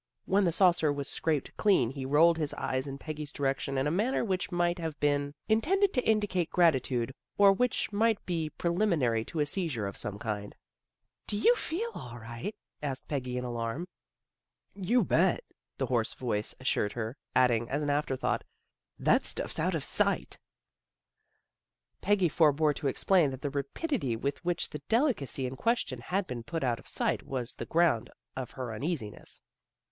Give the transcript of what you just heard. When the saucer was scraped clean he rolled his eyes in Peggy's direction in a manner which might have been intended to indicate gratitude, or which might be preliminary to a seizure of some kind. " Do you feel all right? " asked Peggy in alarm. " You bet," the hoarse voice assured her, adding, as an afterthought, " That stuff's out of sight." Peggy forebore to explain that the rapidity with which the delicacy in question had been put out of sight was the ground of her uneasi ness.